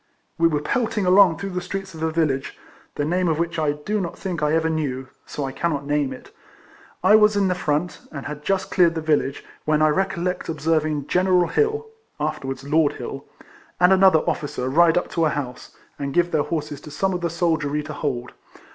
We were pelting along through the streets of a village, the name of which I do not think I ever knew, so I cannot name it ; I was in the front, and had just cleared the village, when I recollect observing General Hill (afterwards Lord Hill) and another officer ride up to a house, and give their horses to some of the soldiery to hold.